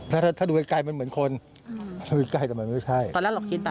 ไม่มีลักษณะเหมือนสิ่งมีชีวิต